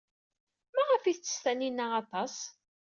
Maɣef ay tettess Taninna aṭas?